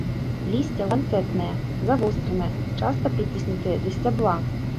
Лісце ланцэтнае, завостранае, часта прыціснутае да сцябла.